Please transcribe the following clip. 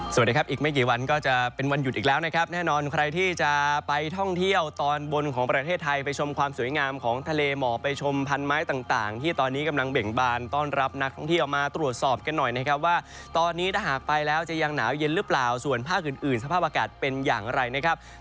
สวัสดีครับอีกไม่กี่วันก็จะเป็นวันหยุดอีกแล้วนะครับแน่นอนใครที่จะไปท่องเที่ยวตอนบนของประเทศไทยไปชมความสวยงามของทะเลหมอกไปชมพันไม้ต่างที่ตอนนี้กำลังเบ่งบานต้อนรับนักท่องเที่ยวมาตรวจสอบกันหน่อยนะครับว่าตอนนี้ถ้าหากไปแล้วจะยังหนาวเย็นหรือเปล่าส่วนภาคอื่นอื่นสภาพอากาศเป็นอย่างไรนะครับ